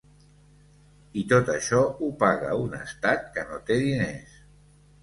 I tot això ho paga un estat que no té diners.